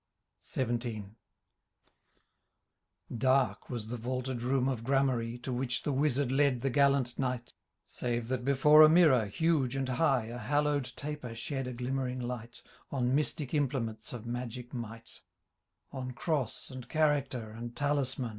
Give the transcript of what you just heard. XVII. Dark was the vaulted room of gramarye. To which the wizard led the gallant Knight, Save that before a mirror, huge and high, A hallowM taper shed a glimmering light On mystic implements of magic might, On cross, and character, and talisman.